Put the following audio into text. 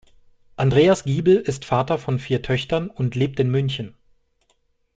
Andreas Giebel ist Vater von vier Töchtern und lebt in München.